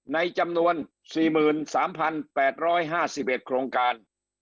ในจำนวน๔๓๘๕๑โครงการ